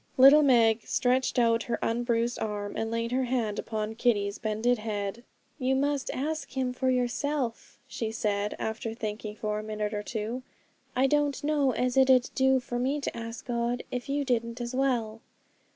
Little Meg stretched out her unbruised arm, and laid her hand upon Kitty's bended head. 'You must ask Him for yourself,' she said, after thinking for a minute or two: 'I don't know as it 'ud do for me to ask God, if you didn't as well.'